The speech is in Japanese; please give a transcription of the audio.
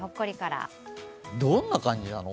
どんな感じなの？